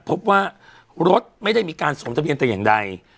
พบว่ารถไม่ได้มีการสวมทะเบียนแต่อย่างใด